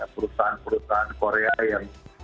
perusahaan perusahaan korea yang